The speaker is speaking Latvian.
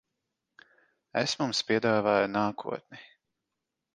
Es mums piedāvāju nākotni.